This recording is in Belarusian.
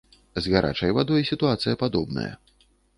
З гарачай вадой сітуацыя падобная.